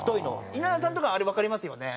稲田さんとかあれわかりますよね